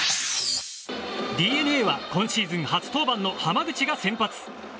ＤｅＮＡは今シーズン初登板の濱口が先発。